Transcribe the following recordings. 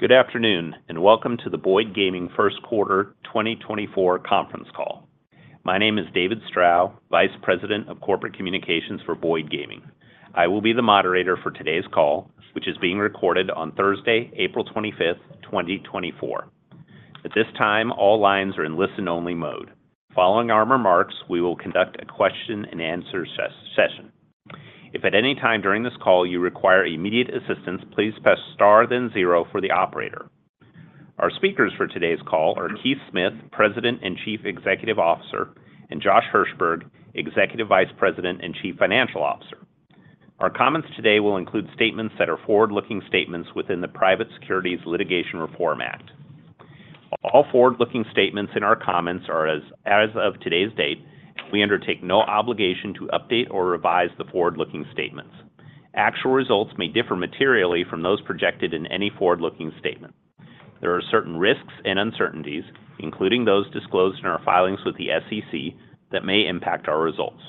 Good afternoon and welcome to the Boyd Gaming First Quarter 2024 Conference Call. My name is David Strow, Vice President of Corporate Communications for Boyd Gaming. I will be the moderator for today's call, which is being recorded on Thursday, April 25, 2024. At this time, all lines are in listen-only mode. Following our remarks, we will conduct a question-and-answer session. If at any time during this call you require immediate assistance, please press star then zero for the operator. Our speakers for today's call are Keith Smith, President and Chief Executive Officer, and Josh Hirsberg, Executive Vice President and Chief Financial Officer. Our comments today will include statements that are forward-looking statements within the Private Securities Litigation Reform Act. All forward-looking statements in our comments are as of today's date, and we undertake no obligation to update or revise the forward-looking statements. Actual results may differ materially from those projected in any forward-looking statement. There are certain risks and uncertainties, including those disclosed in our filings with the SEC, that may impact our results.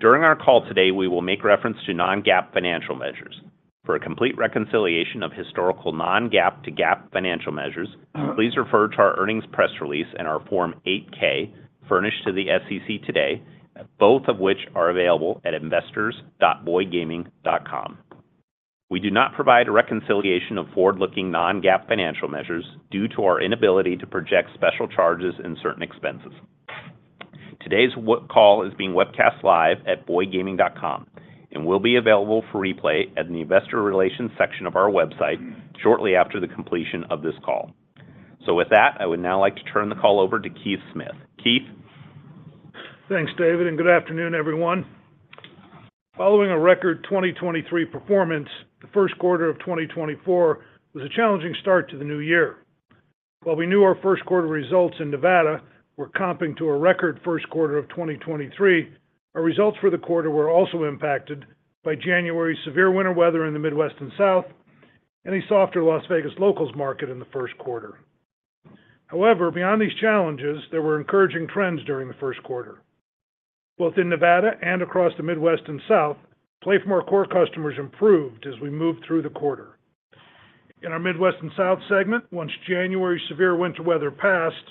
During our call today, we will make reference to non-GAAP financial measures. For a complete reconciliation of historical non-GAAP to GAAP financial measures, please refer to our earnings press release and our Form 8-K furnished to the SEC today, both of which are available at investors.boydgaming.com. We do not provide a reconciliation of forward-looking non-GAAP financial measures due to our inability to project special charges in certain expenses. Today's call is being webcast live at boydgaming.com and will be available for replay at the Investor Relations section of our website shortly after the completion of this call. With that, I would now like to turn the call over to Keith Smith. Keith? Thanks, David, and good afternoon, everyone. Following a record 2023 performance, the first quarter of 2024 was a challenging start to the new year. While we knew our first quarter results in Nevada were comping to a record first quarter of 2023, our results for the quarter were also impacted by January's severe winter weather in the Midwest and South and a softer Las Vegas Locals market in the first quarter. However, beyond these challenges, there were encouraging trends during the first quarter. Both in Nevada and across the Midwest and South, play from core customers improved as we moved through the quarter. In our Midwest and South segment, once January's severe winter weather passed,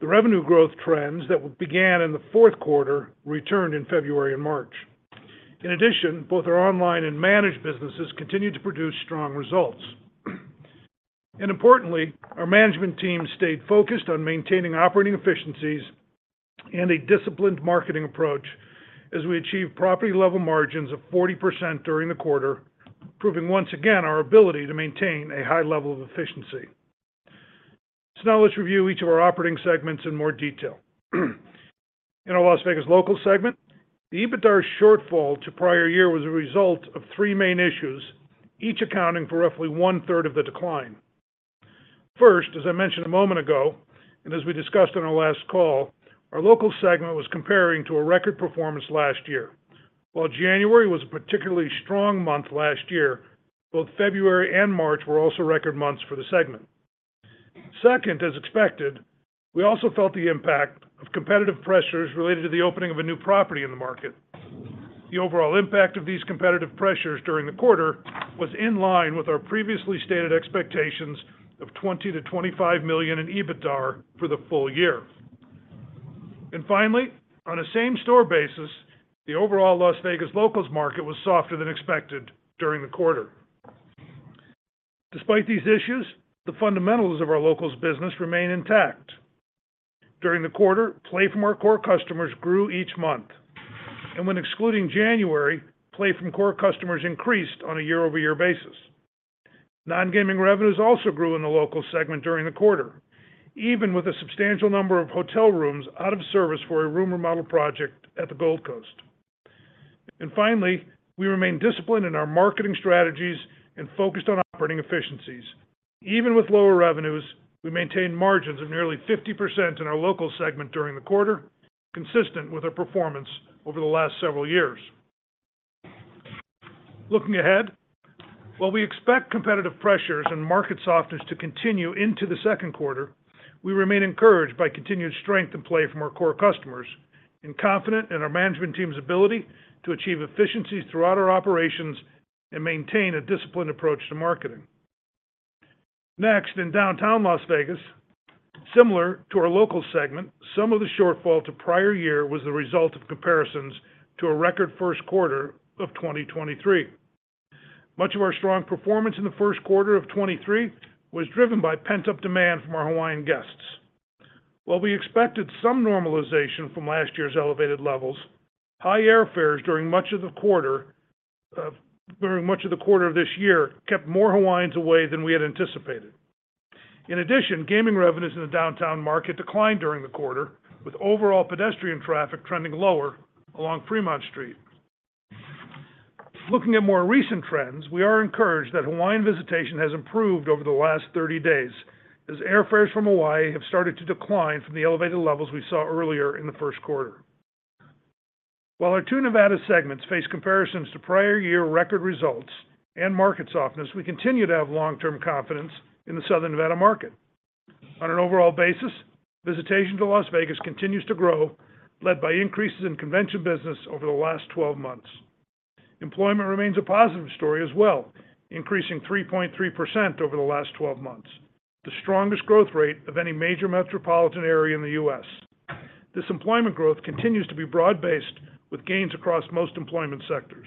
the revenue growth trends that began in the fourth quarter returned in February and March. In addition, both our online and managed businesses continued to produce strong results. And importantly, our management team stayed focused on maintaining operating efficiencies and a disciplined marketing approach as we achieved property-level margins of 40% during the quarter, proving once again our ability to maintain a high level of efficiency. So now let's review each of our operating segments in more detail. In our Las Vegas Locals segment, the EBITDA shortfall to prior year was a result of three main issues, each accounting for roughly one-third of the decline. First, as I mentioned a moment ago and as we discussed on our last call, our Locals segment was comparing to a record performance last year. While January was a particularly strong month last year, both February and March were also record months for the segment. Second, as expected, we also felt the impact of competitive pressures related to the opening of a new property in the market. The overall impact of these competitive pressures during the quarter was in line with our previously stated expectations of $20 million-$25 million in EBITDA for the full year. Finally, on a same-store basis, the overall Las Vegas locals market was softer than expected during the quarter. Despite these issues, the fundamentals of our locals business remain intact. During the quarter, player core customers grew each month. When excluding January, player core customers increased on a year-over-year basis. Non-gaming revenues also grew in the locals segment during the quarter, even with a substantial number of hotel rooms out of service for a room remodel project at the Gold Coast. Finally, we remain disciplined in our marketing strategies and focused on operating efficiencies. Even with lower revenues, we maintained margins of nearly 50% in our locals segment during the quarter, consistent with our performance over the last several years. Looking ahead, while we expect competitive pressures and market softness to continue into the second quarter, we remain encouraged by continued strength in player core customers and confident in our management team's ability to achieve efficiencies throughout our operations and maintain a disciplined approach to marketing. Next, in Downtown Las Vegas, similar to our locals segment, some of the shortfall to prior year was the result of comparisons to a record first quarter of 2023. Much of our strong performance in the first quarter of 2023 was driven by pent-up demand from our Hawaiian guests. While we expected some normalization from last year's elevated levels, high airfares during much of the quarter of this year kept more Hawaiians away than we had anticipated. In addition, gaming revenues in the downtown market declined during the quarter, with overall pedestrian traffic trending lower along Fremont Street. Looking at more recent trends, we are encouraged that Hawaiian visitation has improved over the last 30 days as airfares from Hawaii have started to decline from the elevated levels we saw earlier in the first quarter. While our two Nevada segments face comparisons to prior year record results and market softness, we continue to have long-term confidence in the Southern Nevada market. On an overall basis, visitation to Las Vegas continues to grow, led by increases in convention business over the last 12 months. Employment remains a positive story as well, increasing 3.3% over the last 12 months, the strongest growth rate of any major metropolitan area in the U.S. This employment growth continues to be broad-based, with gains across most employment sectors.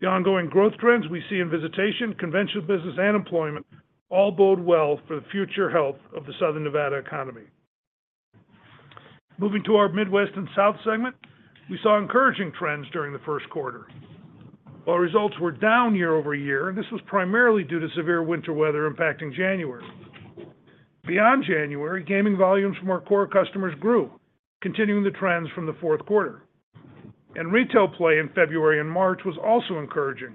The ongoing growth trends we see in visitation, convention business, and employment all bode well for the future health of the Southern Nevada economy. Moving to our Midwest and South segment, we saw encouraging trends during the first quarter. While results were down year-over-year, this was primarily due to severe winter weather impacting January. Beyond January, gaming volumes from our core customers grew, continuing the trends from the fourth quarter. Retail play in February and March was also encouraging,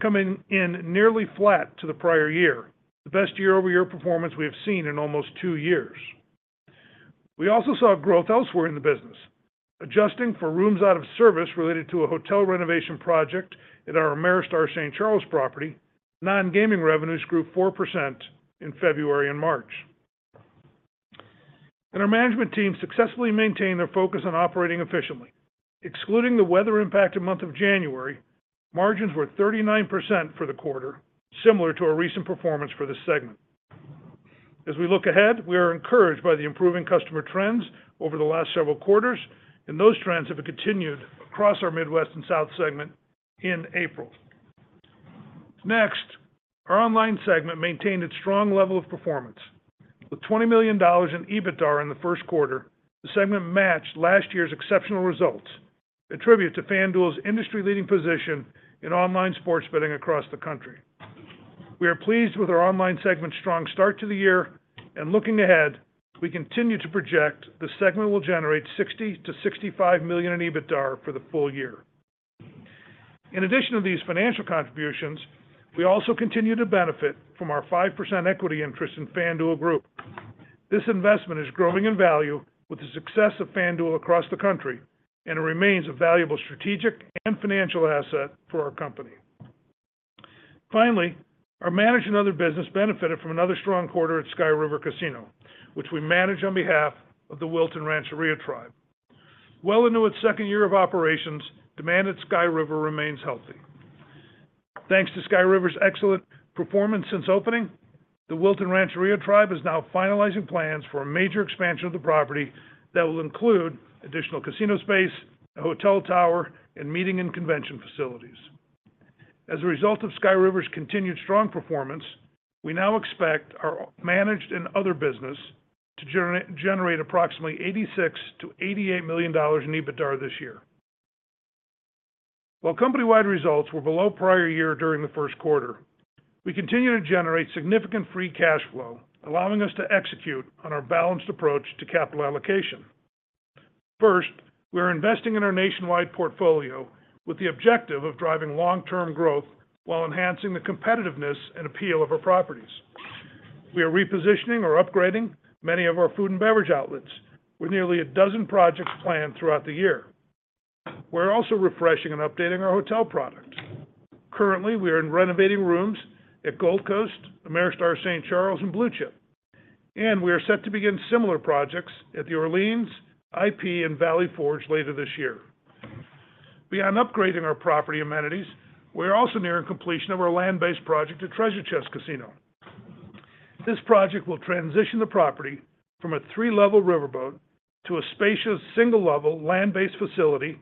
coming in nearly flat to the prior year, the best year-over-year performance we have seen in almost two years. We also saw growth elsewhere in the business. Adjusting for rooms out of service related to a hotel renovation project at our Ameristar St. Charles property, non-gaming revenues grew 4% in February and March. Our management team successfully maintained their focus on operating efficiently. Excluding the weather-impacted month of January, margins were 39% for the quarter, similar to our recent performance for this segment. As we look ahead, we are encouraged by the improving customer trends over the last several quarters and those trends if it continued across our Midwest and South segment in April. Next, our online segment maintained its strong level of performance. With $20 million in EBITDA in the first quarter, the segment matched last year's exceptional results, a tribute to FanDuel's industry-leading position in online sports betting across the country. We are pleased with our online segment's strong start to the year. Looking ahead, we continue to project the segment will generate $60 million-$65 million in EBITDA for the full year. In addition to these financial contributions, we also continue to benefit from our 5% equity interest in FanDuel Group. This investment is growing in value with the success of FanDuel across the country and remains a valuable strategic and financial asset for our company. Finally, our management and other business benefited from another strong quarter at Sky River Casino, which we manage on behalf of the Wilton Rancheria Tribe. Well into its second year of operations, demand at Sky River remains healthy. Thanks to Sky River's excellent performance since opening, the Wilton Rancheria Tribe is now finalizing plans for a major expansion of the property that will include additional casino space, a hotel tower, and meeting and convention facilities. As a result of Sky River's continued strong performance, we now expect our managed and other business to generate approximately $86 million-$88 million in EBITDA this year. While company-wide results were below prior year during the first quarter, we continue to generate significant free cash flow, allowing us to execute on our balanced approach to capital allocation. First, we are investing in our nationwide portfolio with the objective of driving long-term growth while enhancing the competitiveness and appeal of our properties. We are repositioning or upgrading many of our food and beverage outlets with nearly a dozen projects planned throughout the year. We are also refreshing and updating our hotel product. Currently, we are renovating rooms at Gold Coast, Ameristar St. Charles, and Blue Chip. We are set to begin similar projects at the Orleans, IP, and Valley Forge later this year. Beyond upgrading our property amenities, we are also nearing completion of our land-based project at Treasure Chest Casino. This project will transition the property from a three-level riverboat to a spacious single-level land-based facility,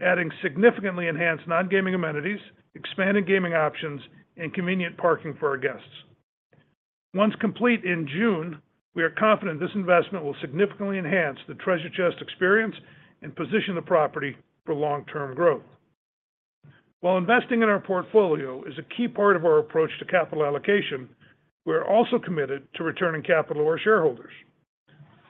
adding significantly enhanced non-gaming amenities, expanding gaming options, and convenient parking for our guests. Once complete in June, we are confident this investment will significantly enhance the Treasure Chest experience and position the property for long-term growth. While investing in our portfolio is a key part of our approach to capital allocation, we are also committed to returning capital to our shareholders.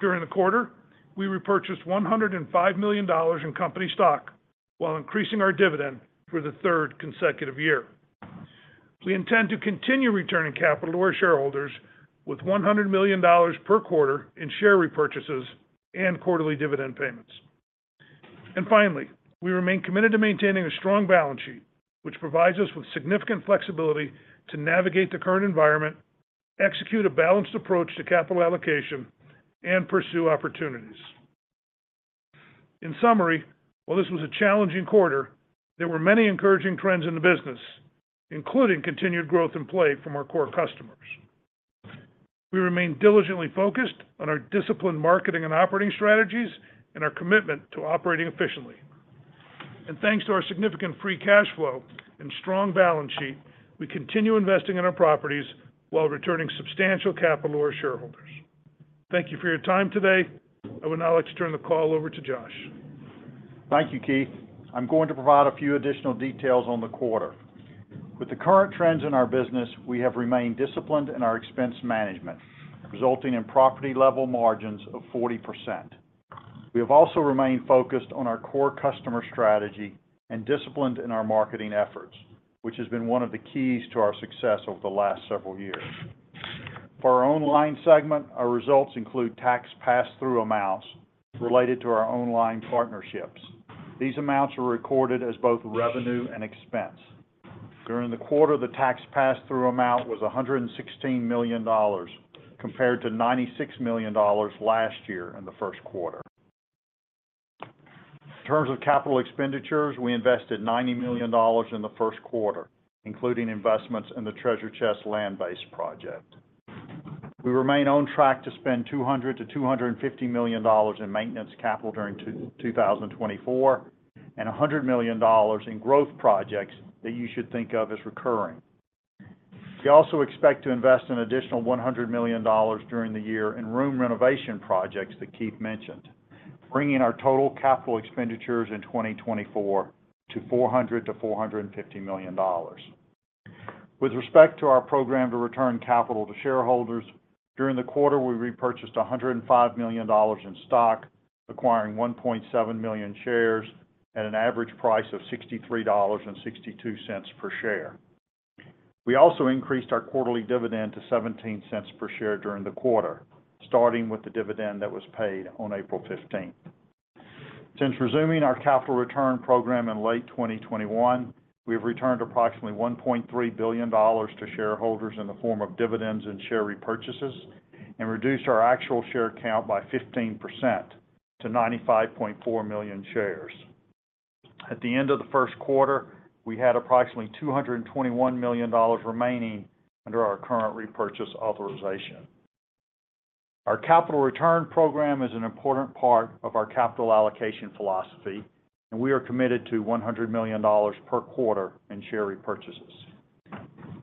During the quarter, we repurchased $105 million in company stock while increasing our dividend for the third consecutive year. We intend to continue returning capital to our shareholders with $100 million per quarter in share repurchases and quarterly dividend payments. Finally, we remain committed to maintaining a strong balance sheet, which provides us with significant flexibility to navigate the current environment, execute a balanced approach to capital allocation, and pursue opportunities. In summary, while this was a challenging quarter, there were many encouraging trends in the business, including continued growth in play from our core customers. We remain diligently focused on our disciplined marketing and operating strategies and our commitment to operating efficiently. Thanks to our significant free cash flow and strong balance sheet, we continue investing in our properties while returning substantial capital to our shareholders. Thank you for your time today. I would now like to turn the call over to Josh. Thank you, Keith. I'm going to provide a few additional details on the quarter. With the current trends in our business, we have remained disciplined in our expense management, resulting in property-level margins of 40%. We have also remained focused on our core customer strategy and disciplined in our marketing efforts, which has been one of the keys to our success over the last several years. For our online segment, our results include tax pass-through amounts related to our online partnerships. These amounts are recorded as both revenue and expense. During the quarter, the tax pass-through amount was $116 million compared to $96 million last year in the first quarter. In terms of capital expenditures, we invested $90 million in the first quarter, including investments in the Treasure Chest land-based project. We remain on track to spend $200 million-$250 million in maintenance capital during 2024 and $100 million in growth projects that you should think of as recurring. We also expect to invest an additional $100 million during the year in room renovation projects that Keith mentioned, bringing our total capital expenditures in 2024 to $400 million-$450 million. With respect to our program to return capital to shareholders, during the quarter, we repurchased $105 million in stock, acquiring 1.7 million shares at an average price of $63.62 per share. We also increased our quarterly dividend to $0.17 per share during the quarter, starting with the dividend that was paid on April 15th. Since resuming our capital return program in late 2021, we have returned approximately $1.3 billion to shareholders in the form of dividends and share repurchases and reduced our actual share count by 15% to $95.4 million shares. At the end of the first quarter, we had approximately $221 million remaining under our current repurchase authorization. Our capital return program is an important part of our capital allocation philosophy, and we are committed to $100 million per quarter in share repurchases.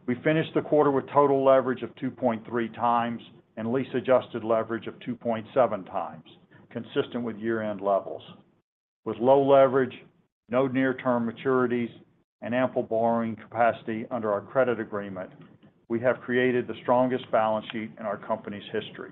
We finished the quarter with total leverage of 2.3x and lease-adjusted leverage of 2.7x, consistent with year-end levels. With low leverage, no near-term maturities, and ample borrowing capacity under our credit agreement, we have created the strongest balance sheet in our company's history.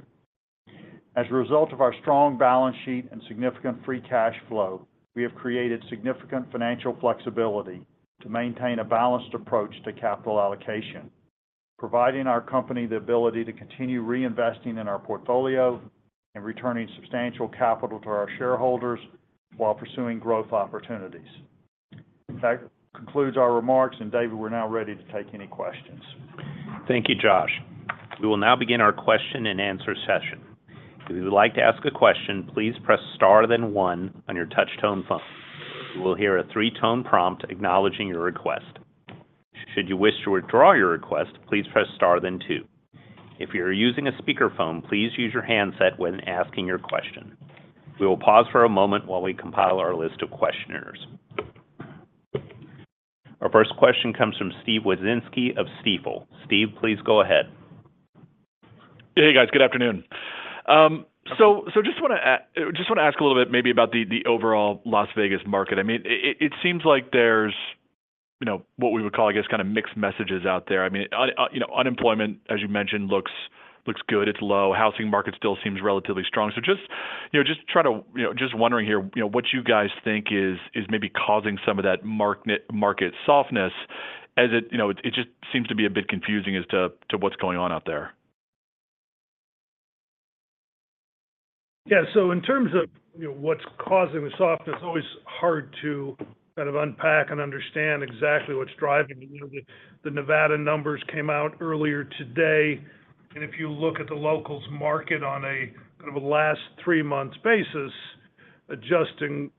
As a result of our strong balance sheet and significant free cash flow, we have created significant financial flexibility to maintain a balanced approach to capital allocation, providing our company the ability to continue reinvesting in our portfolio and returning substantial capital to our shareholders while pursuing growth opportunities. That concludes our remarks, and David, we're now ready to take any questions. Thank you, Josh. We will now begin our question-and-answer session. If you would like to ask a question, please press star then one on your touch-tone phone. You will hear a three-tone prompt acknowledging your request. Should you wish to withdraw your request, please press star then two. If you're using a speakerphone, please use your handset when asking your question. We will pause for a moment while we compile our list of questioners. Our first question comes from Steven Wieczynski of Stifel. Steve, please go ahead. Hey, guys. Good afternoon. So just want to ask a little bit maybe about the overall Las Vegas market. I mean, it seems like there's what we would call, I guess, kind of mixed messages out there. I mean, unemployment, as you mentioned, looks good. It's low. Housing market still seems relatively strong. So just trying to just wondering here what you guys think is maybe causing some of that market softness, as it just seems to be a bit confusing as to what's going on out there. Yeah. So in terms of what's causing the softness, it's always hard to kind of unpack and understand exactly what's driving it. The Nevada numbers came out earlier today. If you look at the locals market on a kind of a last three-month basis, adjusting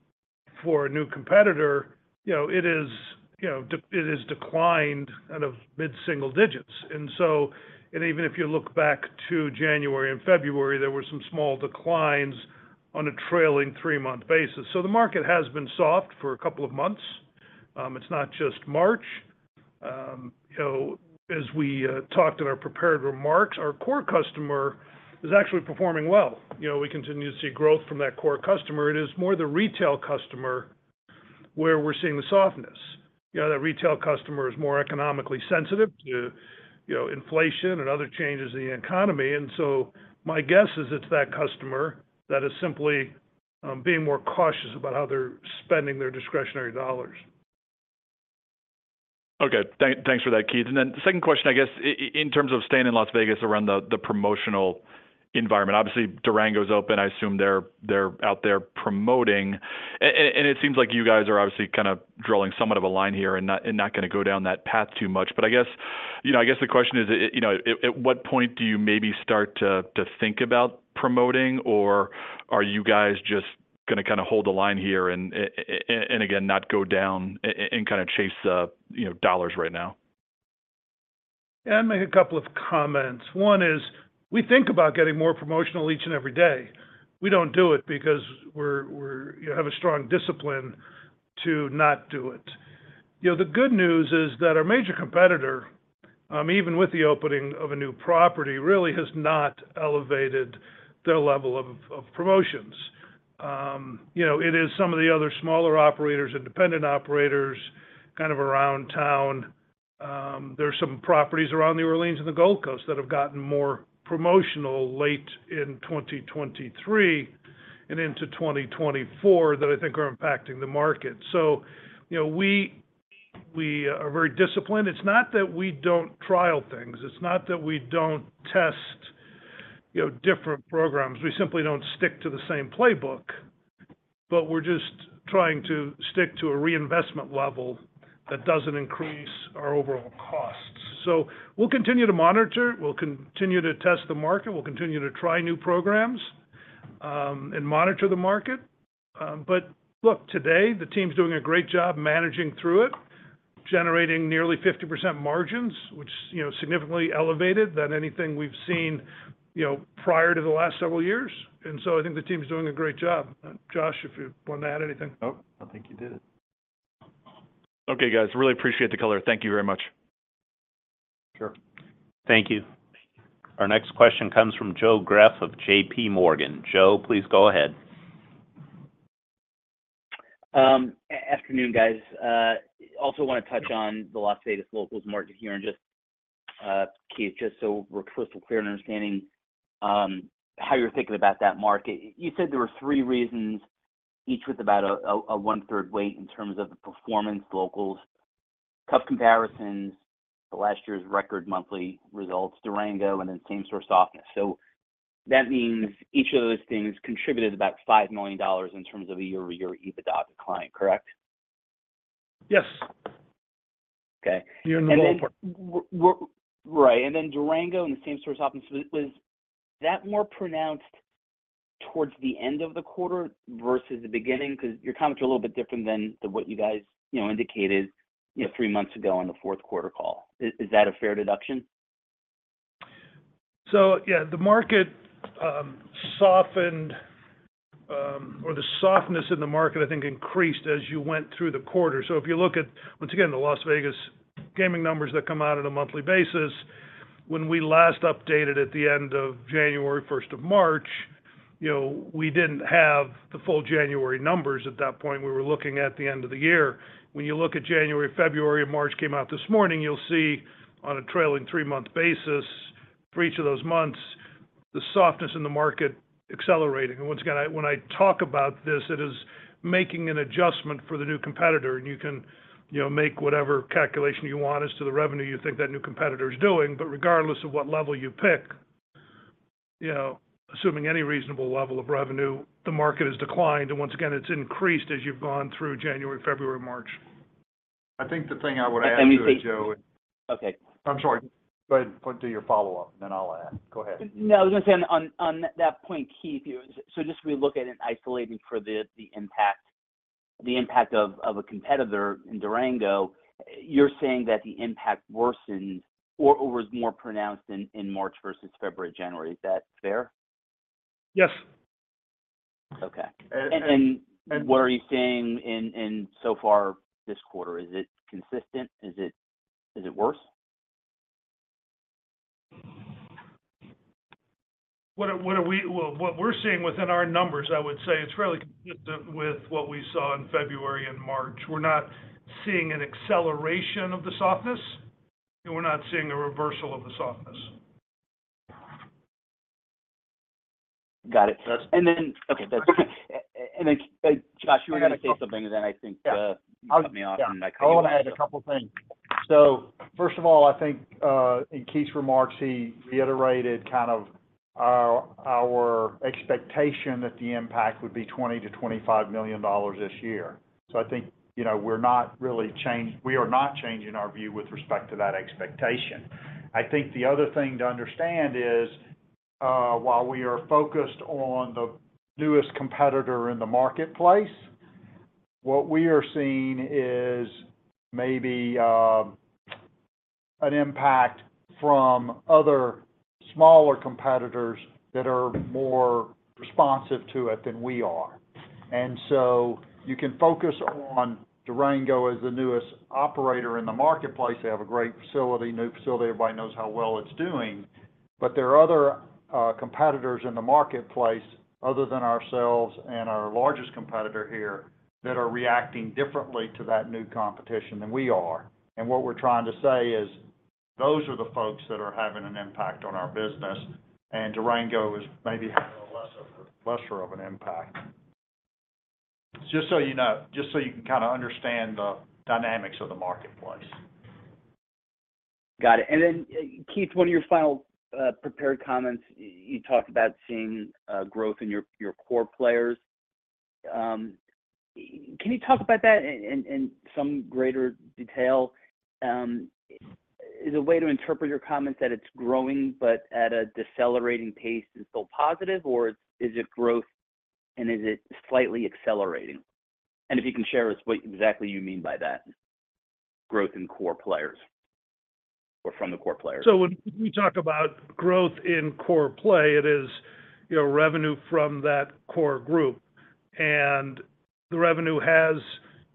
for a new competitor, it has declined kind of mid-single digits. So even if you look back to January and February, there were some small declines on a trailing three-month basis. The market has been soft for a couple of months. It's not just March. As we talked in our prepared remarks, our core customer is actually performing well. We continue to see growth from that core customer. It is more the retail customer where we're seeing the softness. That retail customer is more economically sensitive to inflation and other changes in the economy. And so my guess is it's that customer that is simply being more cautious about how they're spending their discretionary dollars. Okay. Thanks for that, Keith. And then the second question, I guess, in terms of staying in Las Vegas around the promotional environment, obviously, Durango's open. I assume they're out there promoting. And it seems like you guys are obviously kind of drawing somewhat of a line here and not going to go down that path too much. But I guess the question is, at what point do you maybe start to think about promoting, or are you guys just going to kind of hold the line here and, again, not go down and kind of chase the dollars right now? Yeah. I'll make a couple of comments. One is we think about getting more promotional each and every day. We don't do it because we have a strong discipline to not do it. The good news is that our major competitor, even with the opening of a new property, really has not elevated their level of promotions. It is some of the other smaller operators, independent operators kind of around town. There are some properties around the Orleans and the Gold Coast that have gotten more promotional late in 2023 and into 2024 that I think are impacting the market. So we are very disciplined. It's not that we don't trial things. It's not that we don't test different programs. We simply don't stick to the same playbook. But we're just trying to stick to a reinvestment level that doesn't increase our overall costs. So we'll continue to monitor. We'll continue to test the market. We'll continue to try new programs and monitor the market. But look, today, the team's doing a great job managing through it, generating nearly 50% margins, which is significantly elevated than anything we've seen prior to the last several years. And so I think the team's doing a great job. Josh, if you want to add anything. Nope. I think you did it. Okay, guys. Really appreciate the color. Thank you very much. Sure. Thank you. Our next question comes from Joe Greff of JPMorgan Chase & Co. .Joe, please go ahead. Afternoon, guys. Also want to touch on the Las Vegas locals market here. Just, Keith, just so we're crystal clear and understanding how you're thinking about that market, you said there were three reasons, each with about a one-third weight in terms of the performance, locals, tough comparisons, the last year's record monthly results, Durango, and then same-source softness. That means each of those things contributed about $5 million in terms of a year-over-year EBITDA decline, correct? Yes. Okay. Year-over-year in the locals portfolio. Right. And then Durango and the same-store softness, was that more pronounced towards the end of the quarter versus the beginning? Because your comments are a little bit different than what you guys indicated three months ago on the fourth quarter call. Is that a fair deduction? So yeah, the market softened or the softness in the market, I think, increased as you went through the quarter. So if you look at, once again, the Las Vegas gaming numbers that come out on a monthly basis, when we last updated at the end of January, first of March, we didn't have the full January numbers at that point. We were looking at the end of the year. When you look at January, February, and March came out this morning, you'll see on a trailing three-month basis for each of those months, the softness in the market accelerating. And once again, when I talk about this, it is making an adjustment for the new competitor. And you can make whatever calculation you want as to the revenue you think that new competitor is doing. Regardless of what level you pick, assuming any reasonable level of revenue, the market has declined. Once again, it's increased as you've gone through January, February, and March. I think the thing I would add to it, Joe, is I'm sorry. Go ahead and do your follow-up, and then I'll add. Go ahead. No, I was going to say on that point, Keith, so just if we look at it isolating for the impact of a competitor in Durango, you're saying that the impact worsened or was more pronounced in March versus February/January. Is that fair? Yes. Okay. And what are you seeing so far this quarter? Is it consistent? Is it worse? What we're seeing within our numbers, I would say, it's fairly consistent with what we saw in February and March. We're not seeing an acceleration of the softness. We're not seeing a reversal of the softness. Got it. Okay. And then, Josh, you were going to say something, and then I think you cut me off, and I cut you off. I want to add a couple of things. So first of all, I think in Keith's remarks, he reiterated kind of our expectation that the impact would be $20 million-$25 million this year. So I think we're not really changing our view with respect to that expectation. I think the other thing to understand is while we are focused on the newest competitor in the marketplace, what we are seeing is maybe an impact from other smaller competitors that are more responsive to it than we are. And so you can focus on Durango as the newest operator in the marketplace. They have a great facility, new facility. Everybody knows how well it's doing. But there are other competitors in the marketplace other than ourselves and our largest competitor here that are reacting differently to that new competition than we are. What we're trying to say is those are the folks that are having an impact on our business. Durango is maybe having a lesser of an impact, just so you know, just so you can kind of understand the dynamics of the marketplace. Got it. And then, Keith, one of your final prepared comments, you talked about seeing growth in your core players. Can you talk about that in some greater detail? Is a way to interpret your comments that it's growing, but at a decelerating pace is still positive, or is it growth, and is it slightly accelerating? And if you can share us what exactly you mean by that, growth in core players or from the core players. When we talk about growth in core play, it is revenue from that core group. The revenue has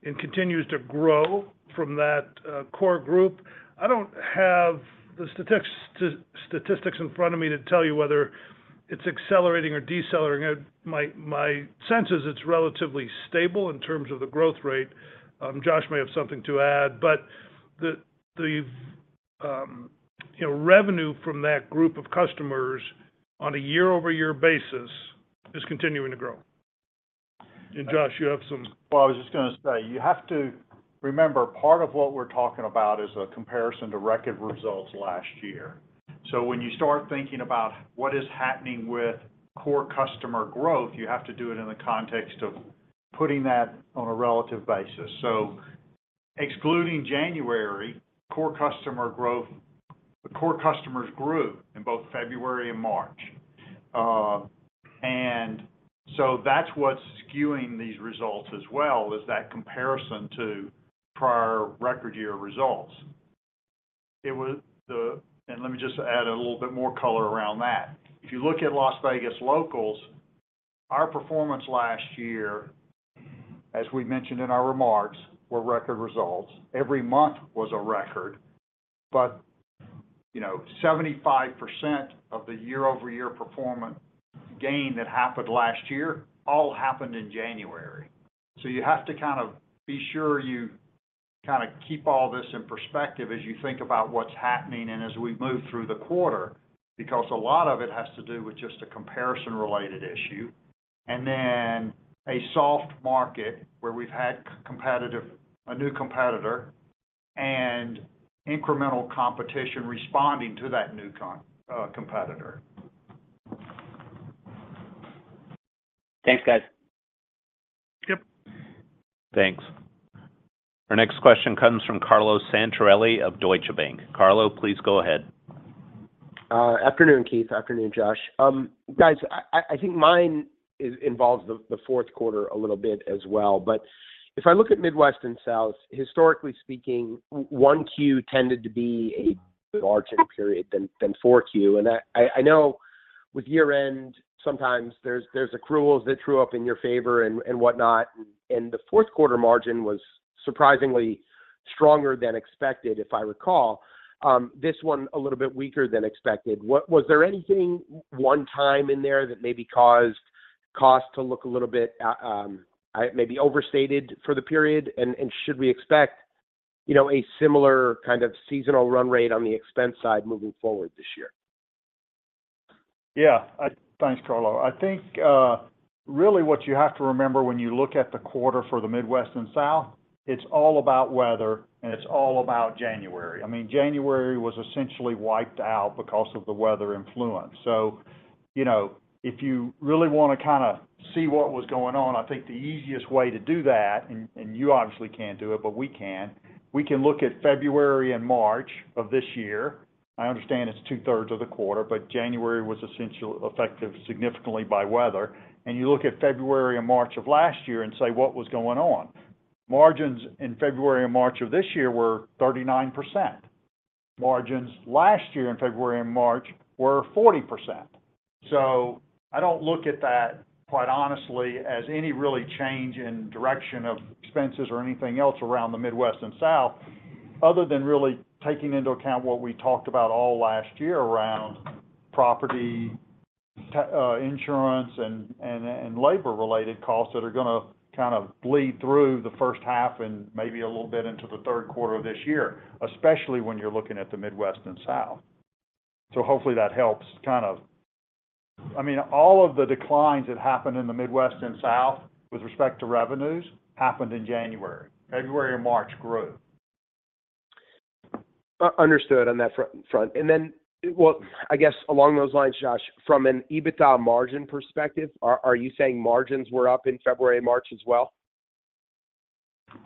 and continues to grow from that core group. I don't have the statistics in front of me to tell you whether it's accelerating or decelerating. My sense is it's relatively stable in terms of the growth rate. Josh may have something to add. The revenue from that group of customers on a year-over-year basis is continuing to grow. Josh, you have some. Well, I was just going to say you have to remember part of what we're talking about is a comparison to record results last year. So when you start thinking about what is happening with core customer growth, you have to do it in the context of putting that on a relative basis. So excluding January, core customer growth the core customers grew in both February and March. And so that's what's skewing these results as well, is that comparison to prior record year results. And let me just add a little bit more color around that. If you look at Las Vegas locals, our performance last year, as we mentioned in our remarks, were record results. Every month was a record. But 75% of the year-over-year performance gain that happened last year all happened in January. You have to kind of be sure you kind of keep all this in perspective as you think about what's happening and as we move through the quarter because a lot of it has to do with just a comparison-related issue and then a soft market where we've had a new competitor and incremental competition responding to that new competitor. Thanks, guys. Yep. Thanks. Our next question comes from Carlo Santarelli of Deutsche Bank. Carlo, please go ahead. Afternoon, Keith. Afternoon, Josh. Guys, I think mine involves the fourth quarter a little bit as well. But if I look at Midwest and South, historically speaking, 1Q tended to be a weaker margin period than 4Q. And I know with year-end, sometimes there's accruals that true up in your favor and whatnot. And the fourth quarter margin was surprisingly stronger than expected, if I recall. This one, a little bit weaker than expected. Was there anything one-time in there that maybe caused costs to look a little bit maybe overstated for the period? And should we expect a similar kind of seasonal run rate on the expense side moving forward this year? Yeah. Thanks, Carlo. I think really what you have to remember when you look at the quarter for the Midwest and South, it's all about weather, and it's all about January. I mean, January was essentially wiped out because of the weather influence. So if you really want to kind of see what was going on, I think the easiest way to do that, and you obviously can't do it, but we can, we can look at February and March of this year. I understand it's two-thirds of the quarter, but January was affected significantly by weather. And you look at February and March of last year and say, "What was going on?" Margins in February and March of this year were 39%. Margins last year in February and March were 40%. So I don't look at that, quite honestly, as any really change in direction of expenses or anything else around the Midwest and South other than really taking into account what we talked about all last year around property, insurance, and labor-related costs that are going to kind of bleed through the first half and maybe a little bit into the third quarter of this year, especially when you're looking at the Midwest and South. So hopefully, that helps kind of I mean, all of the declines that happened in the Midwest and South with respect to revenues happened in January, February and March grew. Understood on that front. And then, well, I guess along those lines, Josh, from an EBITDA margin perspective, are you saying margins were up in February and March as well?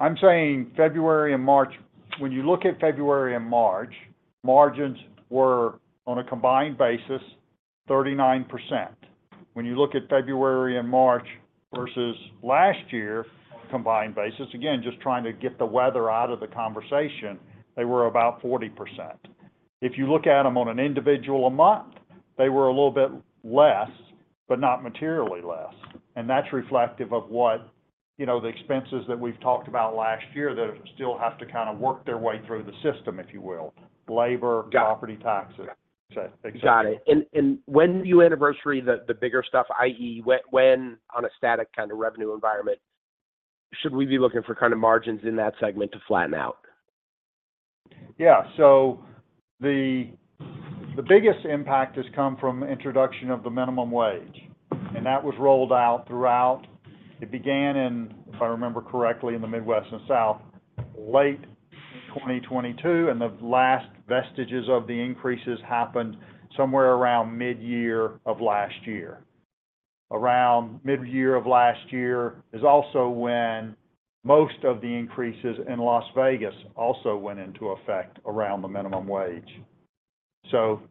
I'm saying February and March when you look at February and March, margins were, on a combined basis, 39%. When you look at February and March versus last year, on a combined basis again, just trying to get the weather out of the conversation, they were about 40%. If you look at them on an individual a month, they were a little bit less but not materially less. And that's reflective of the expenses that we've talked about last year that still have to kind of work their way through the system, if you will, labor, property taxes, etc. Got it. When do you anniversary the bigger stuff, i.e., when on a static kind of revenue environment, should we be looking for kind of margins in that segment to flatten out? Yeah. So the biggest impact has come from introduction of the minimum wage. And that was rolled out throughout. It began in, if I remember correctly, in the Midwest and South late 2022. And the last vestiges of the increases happened somewhere around midyear of last year. Around midyear of last year is also when most of the increases in Las Vegas also went into effect around the minimum wage. So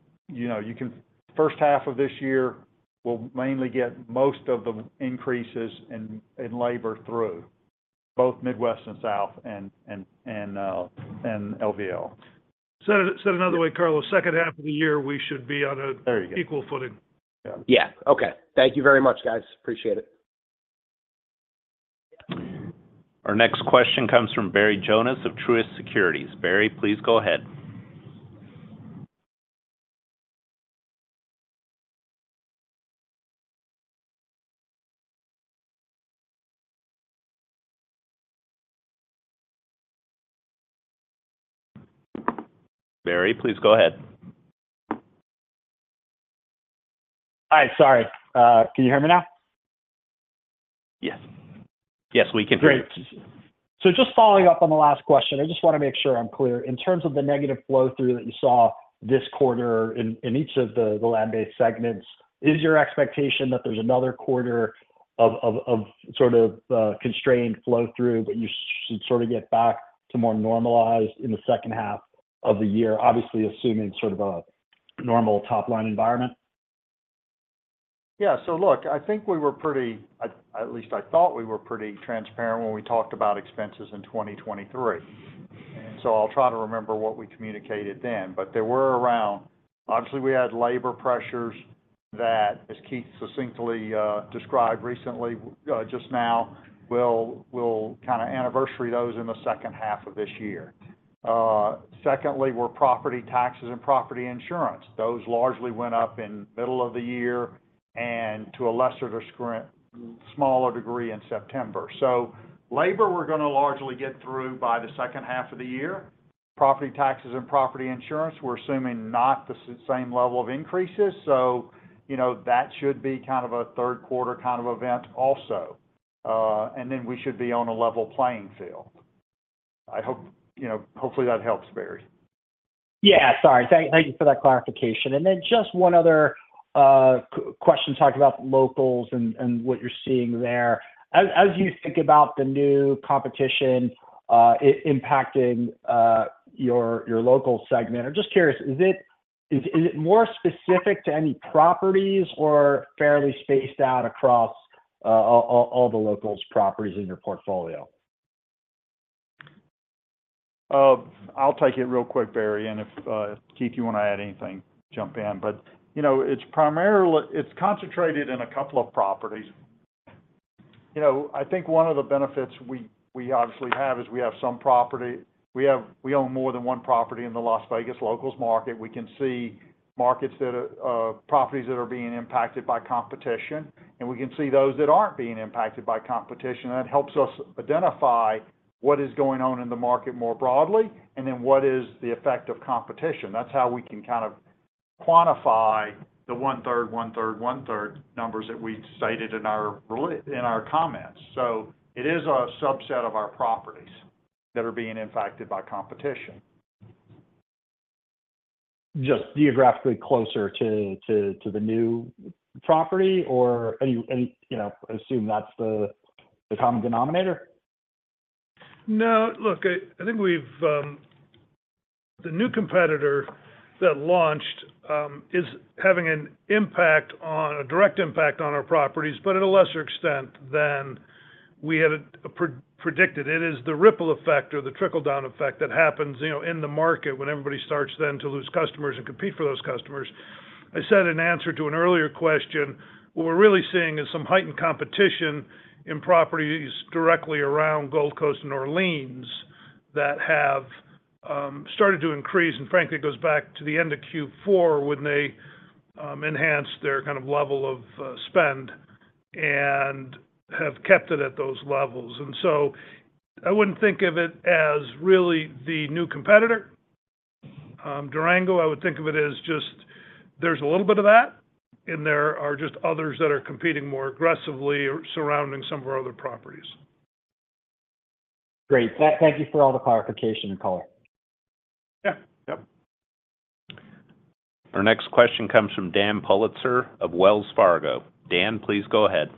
first half of this year will mainly get most of the increases in labor through, both Midwest and South and LVL. Said another way, Carlo, second half of the year, we should be on an equal footing. There you go. Yeah. Okay. Thank you very much, guys. Appreciate it. Our next question comes from Barry Jonas of Truist Securities. Barry, please go ahead. Barry, please go ahead. Hi. Sorry. Can you hear me now? Yes. Yes, we can hear you. Great. So just following up on the last question, I just want to make sure I'm clear. In terms of the negative flow-through that you saw this quarter in each of the land-based segments, is your expectation that there's another quarter of sort of constrained flow-through, but you should sort of get back to more normalized in the second half of the year, obviously assuming sort of a normal top-line environment? Yeah. So look, I think we were pretty, at least I thought we were pretty transparent when we talked about expenses in 2023. And so I'll try to remember what we communicated then. But there were, around obviously, we had labor pressures that, as Keith succinctly described recently, just now, we'll kind of anniversary those in the second half of this year. Secondly, were property taxes and property insurance. Those largely went up in the middle of the year and to a smaller degree in September. So labor, we're going to largely get through by the second half of the year. Property taxes and property insurance, we're assuming not the same level of increases. So that should be kind of a third quarter kind of event also. And then we should be on a level playing field. Hopefully, that helps, Barry. Yeah. Sorry. Thank you for that clarification. And then just one other question talking about locals and what you're seeing there. As you think about the new competition impacting your local segment, I'm just curious, is it more specific to any properties or fairly spaced out across all the locals' properties in your portfolio? I'll take it real quick, Barry. And if Keith, you want to add anything, jump in. But it's concentrated in a couple of properties. I think one of the benefits we obviously have is we have some property we own more than one property in the Las Vegas locals market. We can see properties that are being impacted by competition. And we can see those that aren't being impacted by competition. That helps us identify what is going on in the market more broadly and then what is the effect of competition. That's how we can kind of quantify the 1/3, 1/3, 1/3 numbers that we stated in our comments. So it is a subset of our properties that are being impacted by competition. Just geographically closer to the new property, or assume that's the common denominator? No. Look, I think the new competitor that launched is having a direct impact on our properties, but at a lesser extent than we had predicted. It is the ripple effect or the trickle-down effect that happens in the market when everybody starts then to lose customers and compete for those customers. I said in answer to an earlier question, what we're really seeing is some heightened competition in properties directly around Gold Coast and Orleans that have started to increase. And frankly, it goes back to the end of Q4 when they enhanced their kind of level of spend and have kept it at those levels. And so I wouldn't think of it as really the new competitor, Durango. I would think of it as just there's a little bit of that, and there are just others that are competing more aggressively surrounding some of our other properties. Great. Thank you for all the clarification, Keith. Yeah. Yep. Our next question comes from Dan Politzer of Wells Fargo & Company. Dan, please go ahead.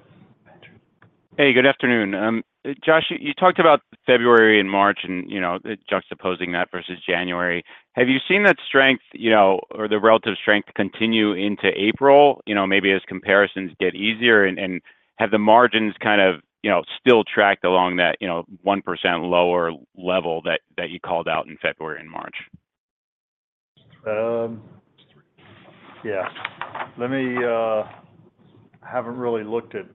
Hey, good afternoon. Josh, you talked about February and March and juxtaposing that versus January. Have you seen that strength or the relative strength continue into April, maybe as comparisons get easier? And have the margins kind of still tracked along that 1% lower level that you called out in February and March? Yeah. I haven't really looked at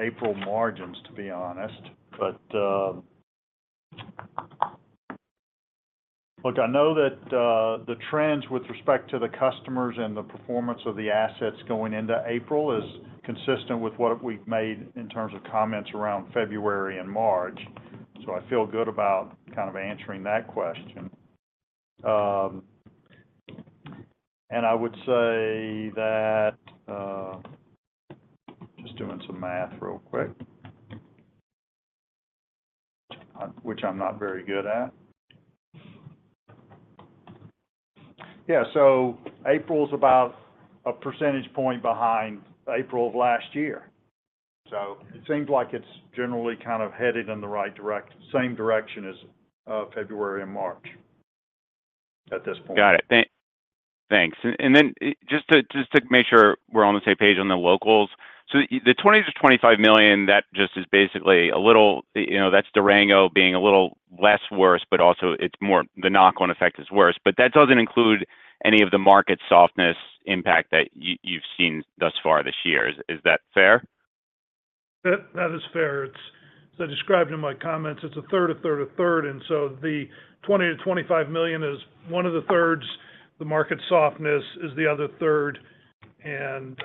April margins, to be honest. But look, I know that the trends with respect to the customers and the performance of the assets going into April is consistent with what we've made in terms of comments around February and March. So I feel good about kind of answering that question. And I would say that just doing some math real quick, which I'm not very good at. Yeah. So April's about a percentage point behind April of last year. So it seems like it's generally kind of headed in the same direction as February and March at this point. Got it. Thanks. And then just to make sure we're on the same page on the locals, so the $20 million-$25 million, that just is basically a little that's Durango being a little less worse, but also the knock-on effect is worse. But that doesn't include any of the market softness impact that you've seen thus far this year. Is that fair? That is fair. As I described in my comments, it's a third, a third, a third. And so the $20 million-$25 million is one of the thirds. The market softness is the other third. And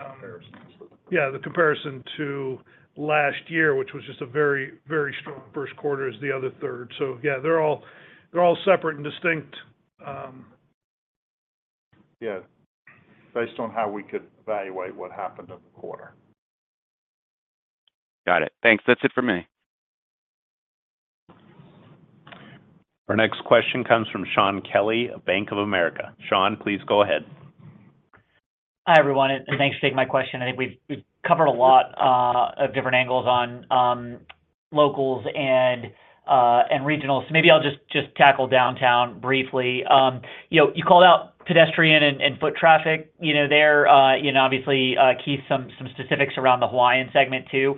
yeah, the comparison to last year, which was just a very, very strong first quarter, is the other third. So yeah, they're all separate and distinct. Yeah, based on how we could evaluate what happened in the quarter. Got it. Thanks. That's it for me. Our next question comes from Shaun Kelley of Bank of America Corporation. Shaun, please go ahead. Hi, everyone. Thanks for taking my question. I think we've covered a lot of different angles on locals and regionals. Maybe I'll just tackle downtown briefly. You called out pedestrian and foot traffic there. Obviously, Keith, some specifics around the Hawaiian segment too.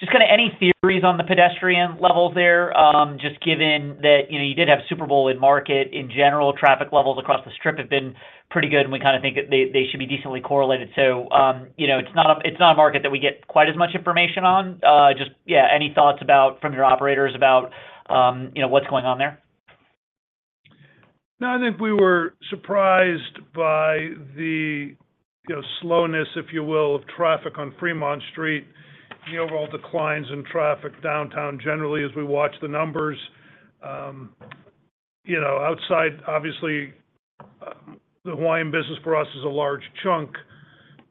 Just kind of any theories on the pedestrian levels there, just given that you did have Super Bowl in market. In general, traffic levels across the Strip have been pretty good, and we kind of think that they should be decently correlated. It's not a market that we get quite as much information on. Just yeah, any thoughts from your operators about what's going on there? No, I think we were surprised by the slowness, if you will, of traffic on Fremont Street and the overall declines in traffic downtown generally as we watched the numbers. Outside, obviously, the Hawaiian business for us is a large chunk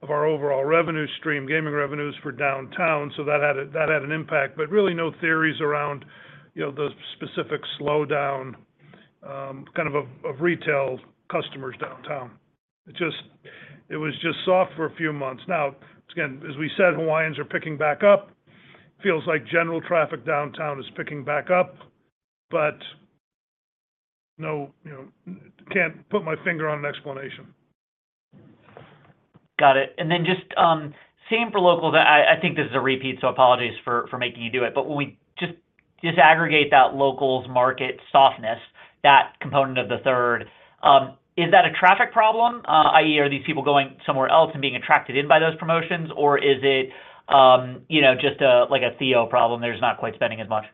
of our overall revenue stream, gaming revenues for downtown. So that had an impact. But really, no theories around the specific slowdown kind of of retail customers downtown. It was just soft for a few months. Now, again, as we said, Hawaiians are picking back up. It feels like general traffic downtown is picking back up. But can't put my finger on an explanation. Got it. And then just same for locals I think this is a repeat, so apologies for making you do it. But when we just disaggregate that locals market softness, that component of the third, is that a traffic problem, i.e., are these people going somewhere else and being attracted in by those promotions, or is it just like a Theo problem? There's not quite spending as much?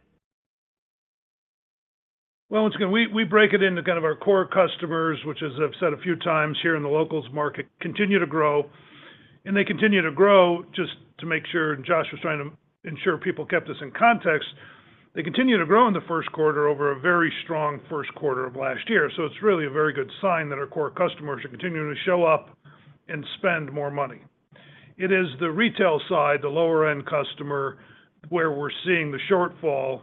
Well, once again, we break it into kind of our core customers, which, as I've said a few times here in the locals market, continue to grow. And they continue to grow just to make sure and Josh was trying to ensure people kept us in context. They continue to grow in the first quarter over a very strong first quarter of last year. So it's really a very good sign that our core customers are continuing to show up and spend more money. It is the retail side, the lower-end customer, where we're seeing the shortfall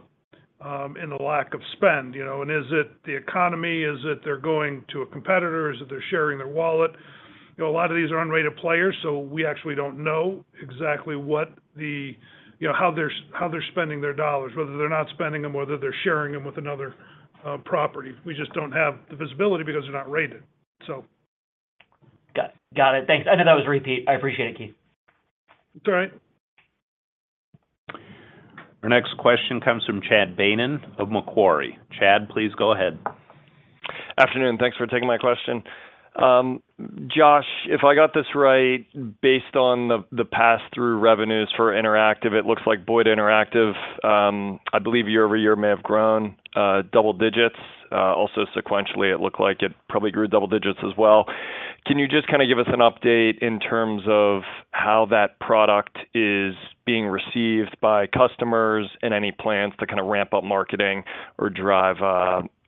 in the lack of spend. And is it the economy? Is it they're going to a competitor? Is it they're sharing their wallet? A lot of these are unrated players, so we actually don't know exactly how they're spending their dollars, whether they're not spending them, whether they're sharing them with another property. We just don't have the visibility because they're not rated, so. Got it. Thanks. I know that was a repeat. I appreciate it, Keith. It's all right. Our next question comes from Chad Beynon of Macquarie. Chad, please go ahead. Afternoon. Thanks for taking my question. Josh, if I got this right, based on the pass-through revenues for Interactive, it looks like Boyd Interactive, I believe year-over-year may have grown double digits. Also sequentially, it looked like it probably grew double digits as well. Can you just kind of give us an update in terms of how that product is being received by customers and any plans to kind of ramp up marketing or drive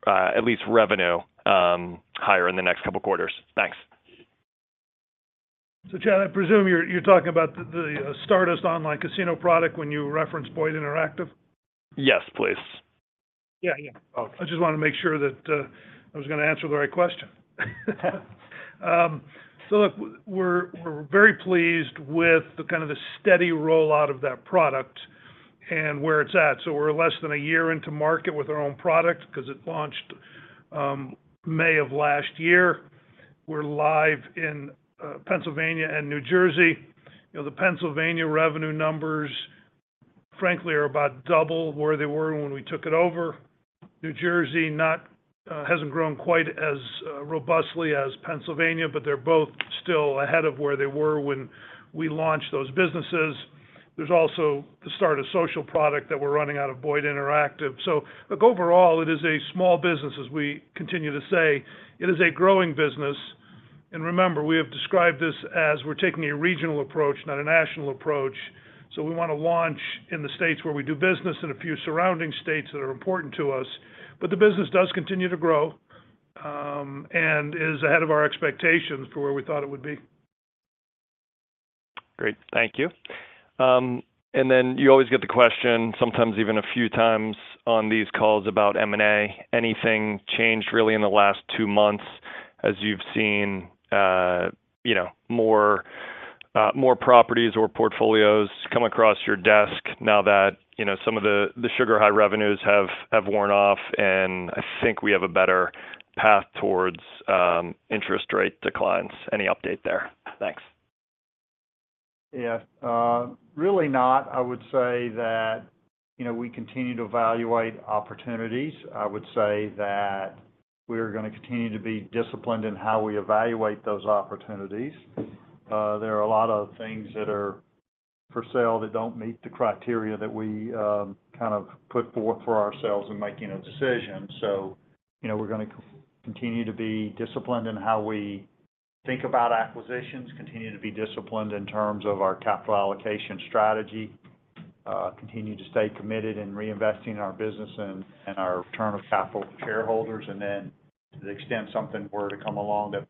at least revenue higher in the next couple of quarters? Thanks. So Chad, I presume you're talking about the Stardust Online Casino product when you referenced Boyd Interactive? Yes, please. Yeah, yeah. I just wanted to make sure that I was going to answer the right question. So look, we're very pleased with kind of the steady rollout of that product and where it's at. So we're less than a year into market with our own product because it launched May of last year. We're live in Pennsylvania and New Jersey. The Pennsylvania revenue numbers, frankly, are about double where they were when we took it over. New Jersey hasn't grown quite as robustly as Pennsylvania, but they're both still ahead of where they were when we launched those businesses. There's also the Stardust Social product that we're running out of Boyd Interactive. So look, overall, it is a small business, as we continue to say. It is a growing business. And remember, we have described this as we're taking a regional approach, not a national approach. We want to launch in the states where we do business and a few surrounding states that are important to us. The business does continue to grow and is ahead of our expectations for where we thought it would be. Great. Thank you. And then you always get the question, sometimes even a few times on these calls about M&A, anything changed really in the last two months as you've seen more properties or portfolios come across your desk now that some of the sugar high revenues have worn off? And I think we have a better path towards interest rate declines. Any update there? Thanks. Yeah. Really not. I would say that we continue to evaluate opportunities. I would say that we're going to continue to be disciplined in how we evaluate those opportunities. There are a lot of things that are for sale that don't meet the criteria that we kind of put forth for ourselves in making a decision. So we're going to continue to be disciplined in how we think about acquisitions, continue to be disciplined in terms of our capital allocation strategy, continue to stay committed in reinvesting our business and our return of capital to shareholders. And then to the extent something were to come along that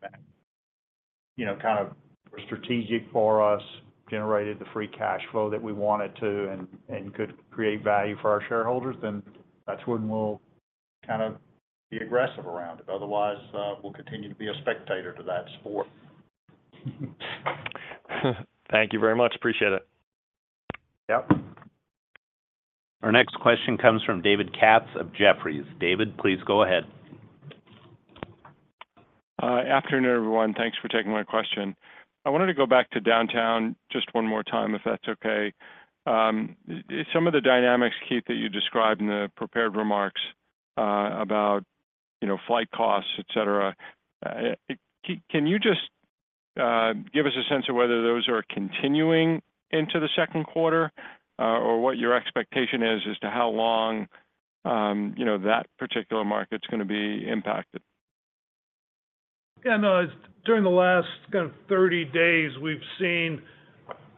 kind of were strategic for us, generated the free cash flow that we wanted to, and could create value for our shareholders, then that's when we'll kind of be aggressive around it. Otherwise, we'll continue to be a spectator to that sport. Thank you very much. Appreciate it. Yep. Our next question comes from David Katz of Jefferies. David, please go ahead. Afternoon, everyone. Thanks for taking my question. I wanted to go back to Downtown just one more time, if that's okay. Some of the dynamics, Keith, that you described in the prepared remarks about flight costs, etc., can you just give us a sense of whether those are continuing into the second quarter or what your expectation is as to how long that particular market's going to be impacted? Yeah. No, during the last kind of 30 days, we've seen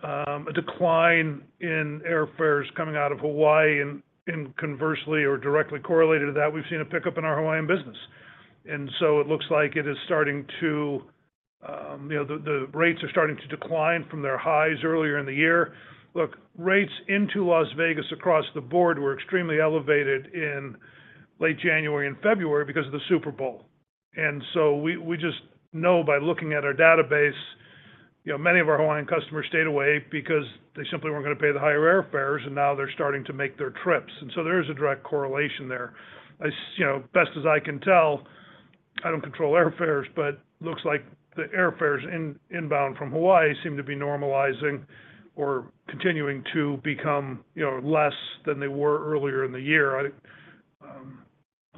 a decline in airfares coming out of Hawaii. And conversely or directly correlated to that, we've seen a pickup in our Hawaiian business. And so it looks like it is starting to the rates are starting to decline from their highs earlier in the year. Look, rates into Las Vegas across the board were extremely elevated in late January and February because of the Super Bowl. We just know by looking at our database, many of our Hawaiian customers stayed away because they simply weren't going to pay the higher airfares, and now they're starting to make their trips. There is a direct correlation there. Best as I can tell, I don't control airfares, but it looks like the airfares inbound from Hawaii seem to be normalizing or continuing to become less than they were earlier in the year.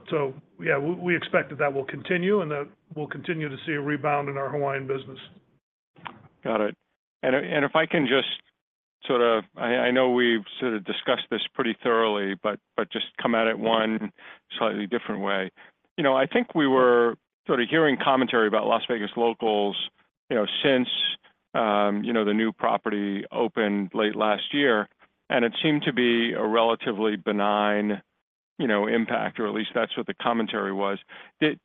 So yeah, we expect that that will continue and that we'll continue to see a rebound in our Hawaiian business. Got it. And if I can just sort of, I know we've sort of discussed this pretty thoroughly, but just come at it one slightly different way. I think we were sort of hearing commentary about Las Vegas locals since the new property opened late last year, and it seemed to be a relatively benign impact, or at least that's what the commentary was. Did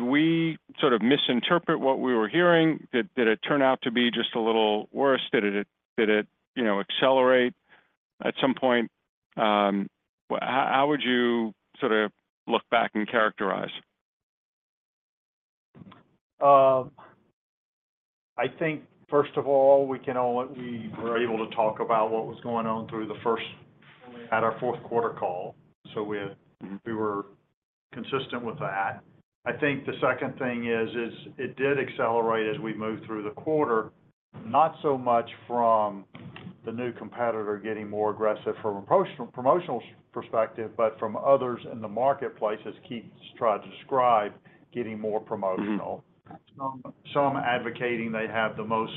we sort of misinterpret what we were hearing? Did it turn out to be just a little worse? Did it accelerate at some point? How would you sort of look back and characterize? I think, first of all, we were able to talk about what was going on through the first half at our fourth quarter call. So we were consistent with that. I think the second thing is it did accelerate as we moved through the quarter, not so much from the new competitor getting more aggressive from a promotional perspective, but from others in the marketplace, as Keith tried to describe, getting more promotional. Some advocating they have the most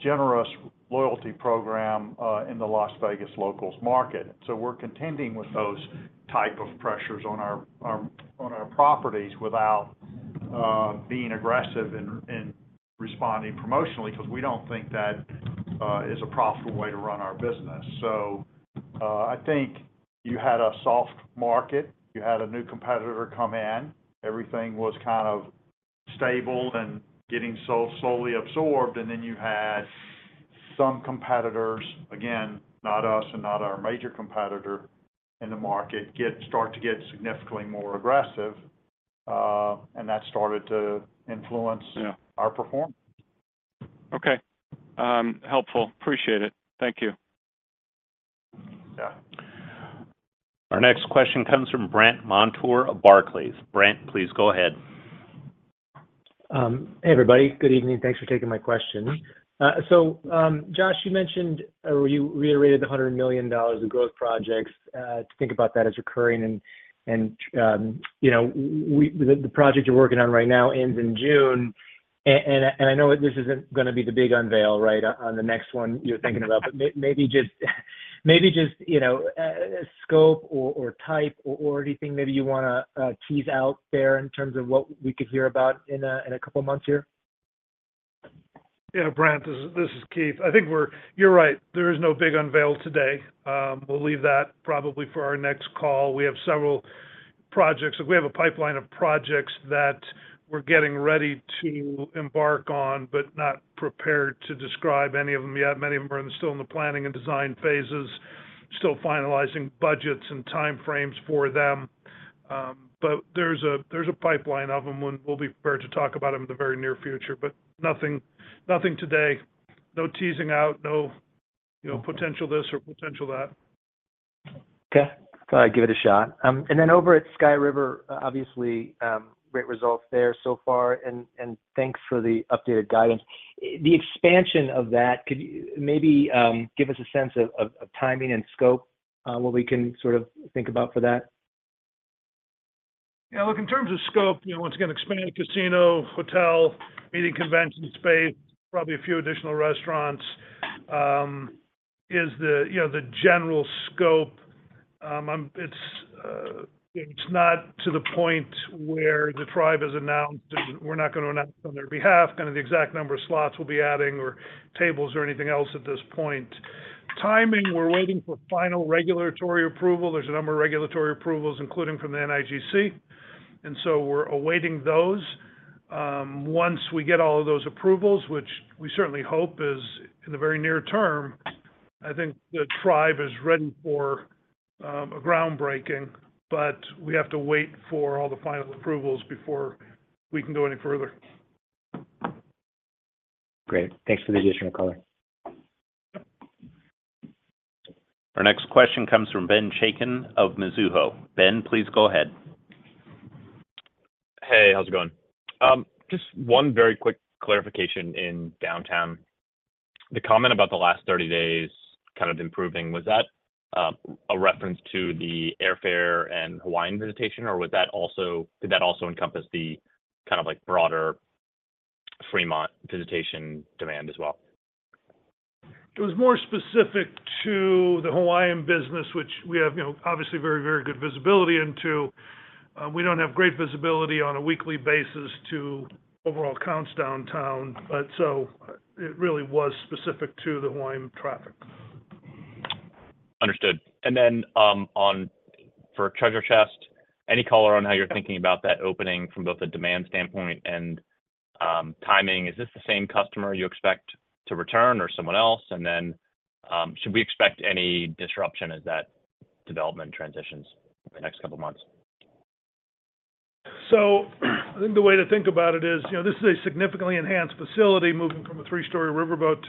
generous loyalty program in the Las Vegas locals market. So we're contending with those type of pressures on our properties without being aggressive in responding promotionally because we don't think that is a profitable way to run our business. So I think you had a soft market. You had a new competitor come in. Everything was kind of stable and getting slowly absorbed. Then you had some competitors, again, not us and not our major competitor in the market, start to get significantly more aggressive. That started to influence our performance. Okay. Helpful. Appreciate it. Thank you. Yeah. Our next question comes from Brandt Montour of Barclays. Brandt, please go ahead. Hey, everybody. Good evening. Thanks for taking my question. So Josh, you mentioned or you reiterated the $100 million of growth projects. Think about that as recurring. And the project you're working on right now ends in June. And I know this isn't going to be the big unveil, right, on the next one you're thinking about. But maybe just scope or type or anything maybe you want to tease out there in terms of what we could hear about in a couple of months here? Yeah, Brandt. This is Keith. I think you're right. There is no big unveil today. We'll leave that probably for our next call. We have several projects. We have a pipeline of projects that we're getting ready to embark on but not prepared to describe any of them yet. Many of them are still in the planning and design phases, still finalizing budgets and timeframes for them. But there's a pipeline of them when we'll be prepared to talk about them in the very near future. But nothing today. No teasing out. No potential this or potential that. Okay. I'll give it a shot. And then over at Sky River, obviously, great results there so far. And thanks for the updated guidance. The expansion of that, could you maybe give us a sense of timing and scope, what we can sort of think about for that? Yeah. Look, in terms of scope, once again, expanding casino, hotel, meeting convention space, probably a few additional restaurants. Is the general scope? It's not to the point where the tribe has announced. We're not going to announce on their behalf kind of the exact number of slots we'll be adding or tables or anything else at this point. Timing, we're waiting for final regulatory approval. There's a number of regulatory approvals, including from the NIGC. And so we're awaiting those. Once we get all of those approvals, which we certainly hope is in the very near term, I think the tribe is ready for a groundbreaking. But we have to wait for all the final approvals before we can go any further. Great. Thanks for the additional color. Our next question comes from Ben Chaiken of Mizuho. Ben, please go ahead. Hey. How's it going? Just one very quick clarification in downtown. The comment about the last 30 days kind of improving, was that a reference to the airfare and Hawaiian visitation, or did that also encompass the kind of broader Fremont visitation demand as well? It was more specific to the Hawaiian business, which we have obviously very, very good visibility into. We don't have great visibility on a weekly basis to overall counts downtown. But so it really was specific to the Hawaiian traffic. Understood. And then for Treasure Chest, any color on how you're thinking about that opening from both a demand standpoint and timing? Is this the same customer you expect to return or someone else? And then should we expect any disruption as that development transitions in the next couple of months? So I think the way to think about it is this is a significantly enhanced facility moving from a three-story riverboat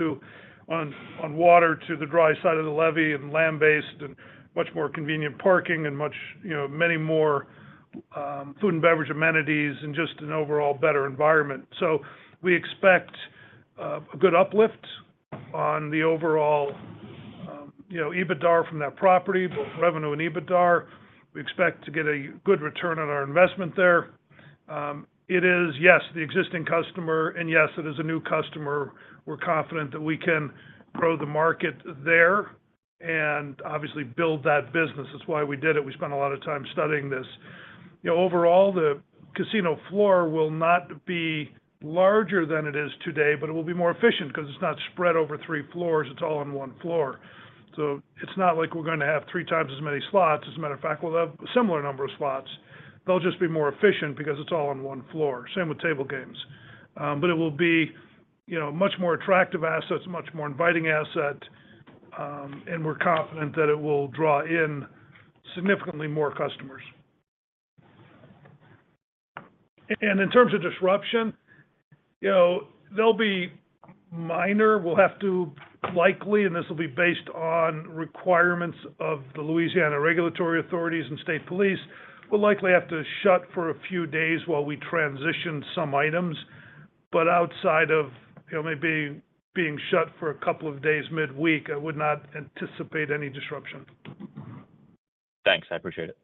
on water to the dry side of the levee and land-based and much more convenient parking and many more food and beverage amenities and just an overall better environment. So we expect a good uplift on the overall EBITDA from that property, both revenue and EBITDA. We expect to get a good return on our investment there. It is, yes, the existing customer. And yes, it is a new customer. We're confident that we can grow the market there and obviously build that business. That's why we did it. We spent a lot of time studying this. Overall, the casino floor will not be larger than it is today, but it will be more efficient because it's not spread over three floors. It's all on one floor. So it's not like we're going to have three times as many slots. As a matter of fact, we'll have a similar number of slots. They'll just be more efficient because it's all on one floor. Same with table games. But it will be a much more attractive asset, much more inviting asset. And we're confident that it will draw in significantly more customers. And in terms of disruption, they'll be minor. We'll have to likely and this will be based on requirements of the Louisiana regulatory authorities and state police. We'll likely have to shut for a few days while we transition some items. But outside of maybe being shut for a couple of days midweek, I would not anticipate any disruption. Thanks. I appreciate it.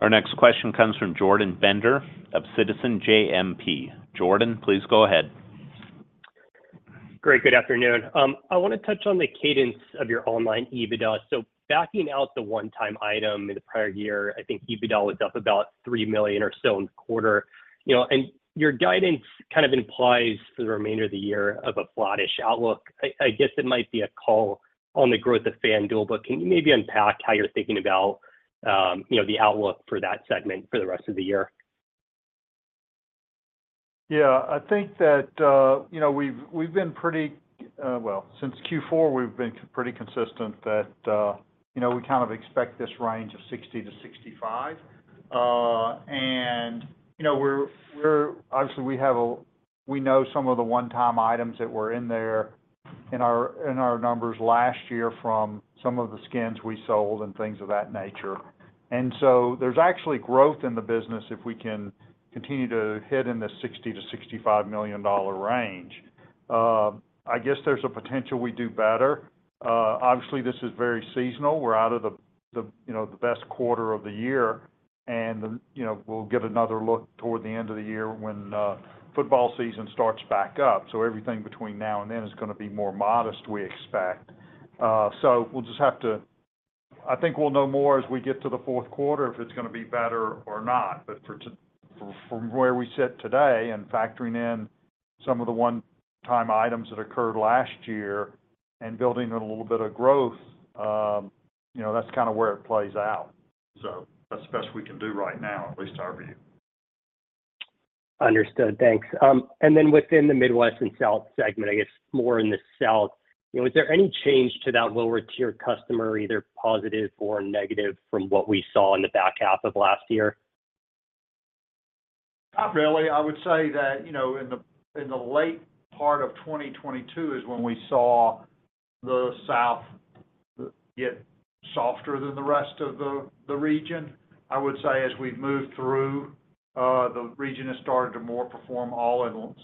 Our next question comes from Jordan Bender of Citizens JMP. Jordan, please go ahead. Great. Good afternoon. I want to touch on the cadence of your online EBITDA. So backing out the one-time item in the prior year, I think EBITDA was up about $3 million or so in the quarter. Your guidance kind of implies for the remainder of the year of a flattish outlook. I guess it might be a call on the growth of FanDuel, but can you maybe unpack how you're thinking about the outlook for that segment for the rest of the year? Yeah. I think that we've been pretty well, since Q4, we've been pretty consistent that we kind of expect this range of $60 million-$65 million. And obviously, we know some of the one-time items that were in there in our numbers last year from some of the skins we sold and things of that nature. And so there's actually growth in the business if we can continue to hit in the $60 million-$65 million range. I guess there's a potential we do better. Obviously, this is very seasonal. We're out of the best quarter of the year. And we'll get another look toward the end of the year when football season starts back up. So everything between now and then is going to be more modest, we expect. So we'll just have to, I think we'll know more as we get to the fourth quarter if it's going to be better or not. But from where we sit today and factoring in some of the one-time items that occurred last year and building a little bit of growth, that's kind of where it plays out. So that's the best we can do right now, at least our view. Understood. Thanks. And then within the Midwest and South segment, I guess more in the South, was there any change to that lower-tier customer, either positive or negative, from what we saw in the back half of last year? Not really. I would say that in the late part of 2022 is when we saw the South get softer than the rest of the region. I would say as we've moved through, the region has started to more perform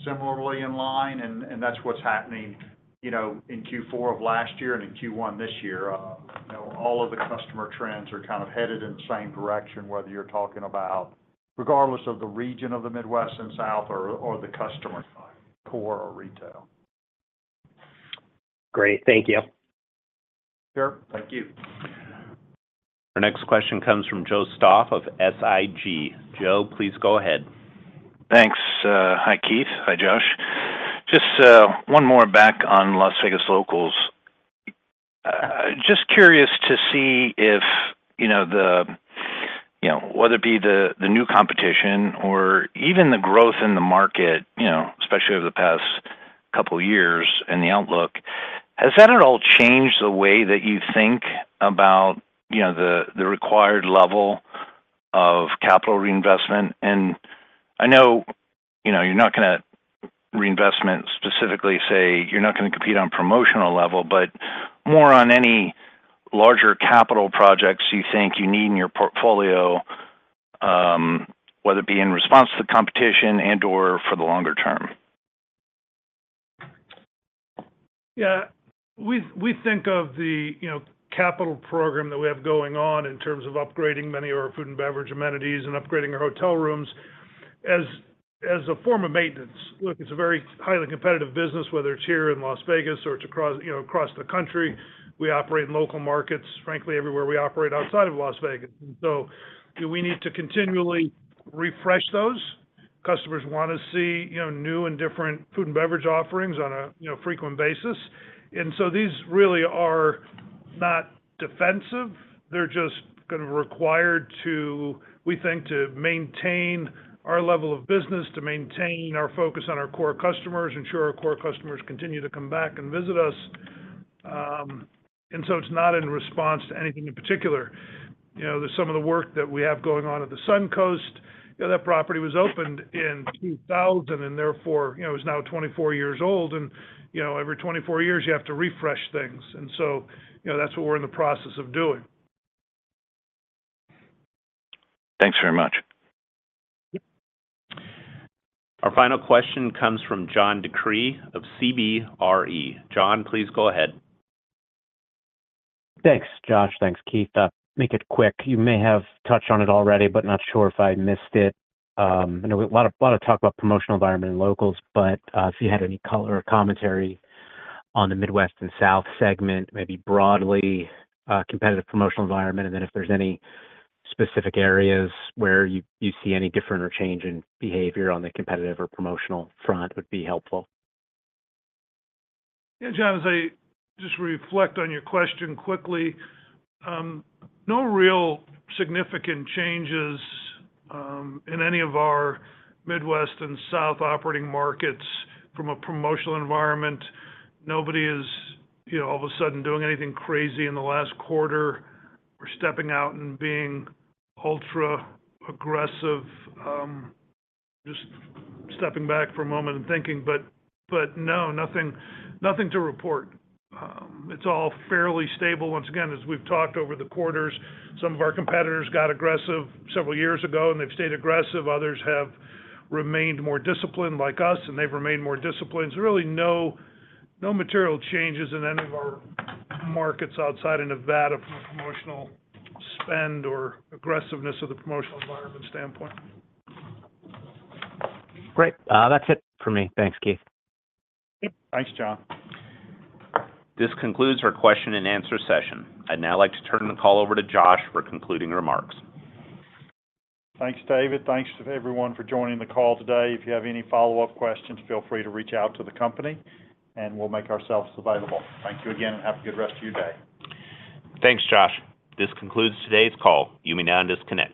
similarly in line. And that's what's happening in Q4 of last year and in Q1 this year. All of the customer trends are kind of headed in the same direction, whether you're talking about regardless of the region of the Midwest and South or the customer side, core or retail. Great. Thank you. Sure. Thank you. Our next question comes from Joseph Stauff of SIG. Joe, please go ahead. Thanks. Hi, Keith. Hi, Josh. Just one more back on Las Vegas locals. Just curious to see if whether it be the new competition or even the growth in the market, especially over the past couple of years and the outlook, has that at all changed the way that you think about the required level of capital reinvestment? I know you're not going to reinvestment specifically, say you're not going to compete on promotional level, but more on any larger capital projects you think you need in your portfolio, whether it be in response to the competition and/or for the longer term. Yeah. We think of the capital program that we have going on in terms of upgrading many of our food and beverage amenities and upgrading our hotel rooms as a form of maintenance. Look, it's a very highly competitive business, whether it's here in Las Vegas or it's across the country. We operate in local markets, frankly, everywhere we operate outside of Las Vegas. And so we need to continually refresh those. Customers want to see new and different food and beverage offerings on a frequent basis. And so these really are not defensive. They're just going to be required, we think, to maintain our level of business, to maintain our focus on our core customers, ensure our core customers continue to come back and visit us. And so it's not in response to anything in particular. There's some of the work that we have going on at the Suncoast. That property was opened in 2000 and therefore is now 24 years old. And every 24 years, you have to refresh things. And so that's what we're in the process of doing. Thanks very much. Our final question comes from John DeCree of CBRE. John, please go ahead. Thanks, Josh. Thanks, Keith. Make it quick. You may have touched on it already, but not sure if I missed it. I know we have a lot of talk about promotional environment and locals. But if you had any color or commentary on the Midwest and South segment, maybe broadly competitive promotional environment, and then if there's any specific areas where you see any different or change in behavior on the competitive or promotional front, it would be helpful. Yeah, John, as I just reflect on your question quickly, no real significant changes in any of our Midwest and South operating markets from a promotional environment. Nobody is all of a sudden doing anything crazy in the last quarter or stepping out and being ultra-aggressive, just stepping back for a moment and thinking. But no, nothing to report. It's all fairly stable. Once again, as we've talked over the quarters, some of our competitors got aggressive several years ago, and they've stayed aggressive. Others have remained more disciplined like us, and they've remained more disciplined. So really, no material changes in any of our markets outside of that, from a promotional spend or aggressiveness of the promotional environment standpoint. Great. That's it for me. Thanks, Keith. Thanks, John. This concludes our question and answer session. I'd now like to turn the call over to Josh for concluding remarks. Thanks, David. Thanks to everyone for joining the call today. If you have any follow-up questions, feel free to reach out to the company, and we'll make ourselves available. Thank you again, and have a good rest of your day. Thanks, Josh. This concludes today's call. You may now disconnect.